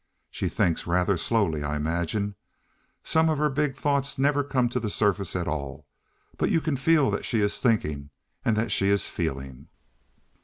She thinks rather slowly, I imagine. Some of her big thoughts never come to the surface at all, but you can feel that she is thinking and that she is feeling."